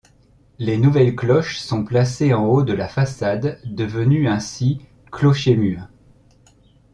Les nouvelles cloches sont placées en haut de la façade devenue ainsi clocher-mur.